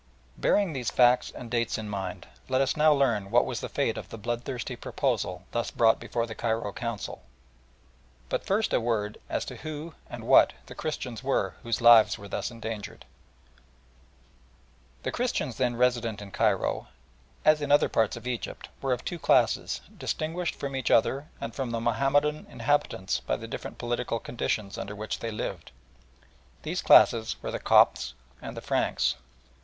Bearing these facts and dates in mind, let us now learn what was the fate of the bloodthirsty proposal thus brought before the Cairo Council, but first a word as to who and what the Christians were whose lives were thus endangered. The Christians then resident in Cairo, as in other parts of Egypt, were of two classes, distinguished from each other and from the Mahomedan inhabitants by the different political conditions under which they lived. These classes were the Copts and the Franks.